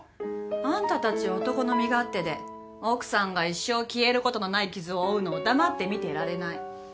あんたたち男の身勝手で奥さんが一生消えることのない傷を負うのを黙って見てられない。